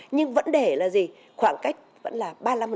nhưng vẫn để là gì khoảng cách vẫn là ba mươi năm